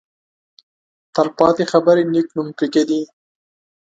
تل پاتې خبرې نېک نوم پرېږدي.